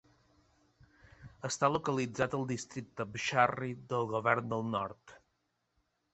Està localitzat al districte Bsharri del Govern del Nord.